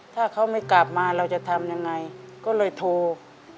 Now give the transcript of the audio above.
ถ้าเขาไม่กลับมาเราจะทำยังไงก็เลยโทร